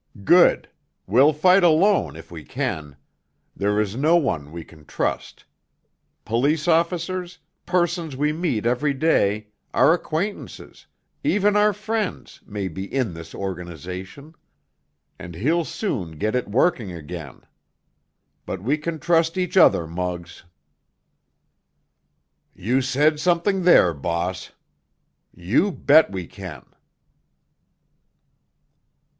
"Good! We'll fight alone, if we can. There is no one we can trust. Police officers, persons we meet every day, our acquaintances, even our friends, may be in his organization—and he'll soon get it working again. But we can trust each other, Muggs." "You said something there, boss! You bet we can!"